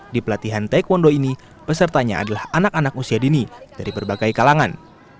di pelatihan taekwondo ini pesertanya adalah anak anak usia dini dari berbagai kalangan